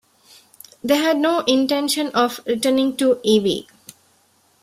They had no intention of returning to Evie.